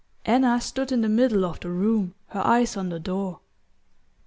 XXV Anna stood in the middle of the room, her eyes on the door.